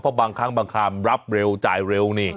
เพราะบางครั้งบางครามรับเร็วจ่ายเร็วนี่